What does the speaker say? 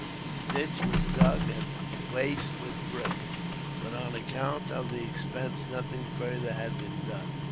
The ditch was dug and faced with brick, but on account of the expense, nothing further had been done.